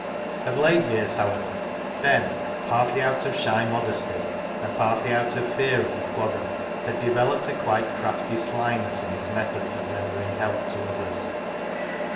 Of late years, however, Ben, partly out of shy modesty, and partly out of fear of the Clogger, had developed a quite crafty slyness in his methods of rendering help to others.